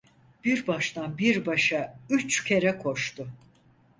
Bir baştan bir başa üç kere koştu.